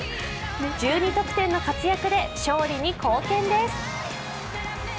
１２得点の活躍で、勝利に貢献です。